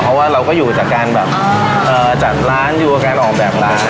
เพราะว่าเราก็อยู่จากการแบบจัดร้านอยู่กับการออกแบบร้าน